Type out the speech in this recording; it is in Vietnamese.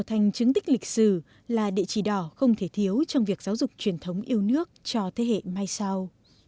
thành chứng tích lịch sử là địa chỉ đỏ không thể thiếu trong việc giáo dục truyền thống yêu nước cho thế hệ mai sau